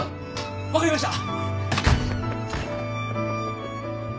分かりました。